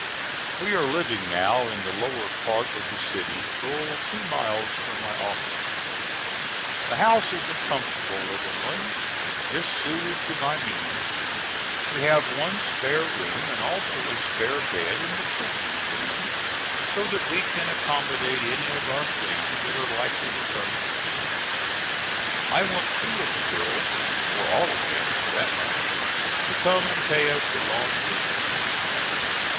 We are living now in the lower part of the city full two miles from my office. The house is a comfortable little one, just suited to my means. We have one spare room, and also a spare bed in the children's room, so that we can accommodate any of our friends that are likely to come to see us. I want two of the girls, or all of them for that matter, to come and pay us a long visit soon.